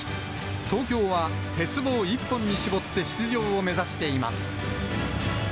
東京は鉄棒一本に絞って出場を目指しています。